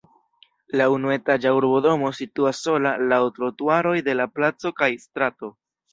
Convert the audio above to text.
La unuetaĝa urbodomo situas sola laŭ trotuaroj de la placo kaj strato.